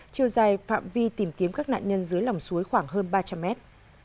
chiều dài phạm vi tìm kiếm các nạn nhân dưới lòng suối khoảng hơn ba trăm linh mét